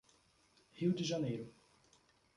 Rio de Janeiro